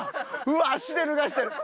うわっ足で脱がしてる！